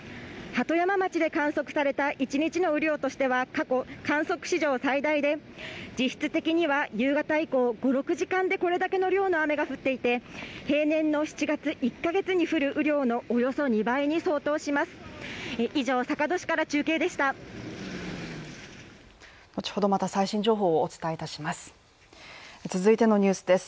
鳩山町で観測された一日の雨量としては過去観測史上最大で、実質的には夕方以降５６時間でこれだけの量の雨が降っていて平年の７月１カ月に降る雨量のおよそ２倍に相当します。